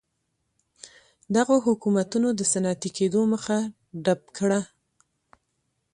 دغو حکومتونو د صنعتي کېدو مخه ډپ کړه.